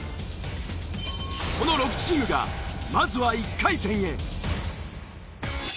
この６チームがまずは１回戦へ。